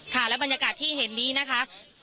และบรรยากาศที่เห็นนี้นะคะ